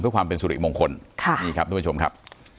เพื่อความเป็นสุริมงคลนี่ครับทุกผู้ชมครับ